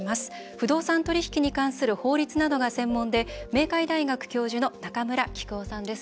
不動産取引に関する法律などが専門で明海大学教授の中村喜久夫さんです。